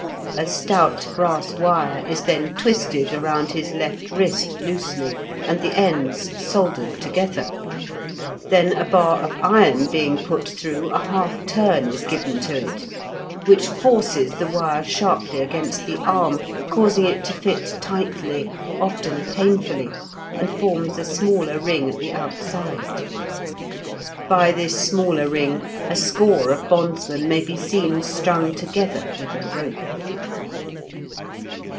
A stout brass wire is then twisted around his left wrist loosely, and the ends soldered together. Then a bar of iron being put through, a half turn is given to it, which forces the wire sharply against the arm, causing it to fit tightly, often painfully, and forms a smaller ring at the outside. By this smaller ring a score of bondsmen may be seen strung together with a rope.